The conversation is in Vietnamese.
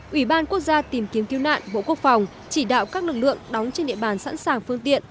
ủy ban quốc gia tìm kiếm cứu nạn bộ quốc phòng chỉ đạo các lực lượng đóng trên địa bàn sẵn sàng phương tiện